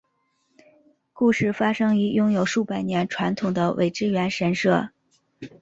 故事发生于拥有数百年传统的苇之原神社。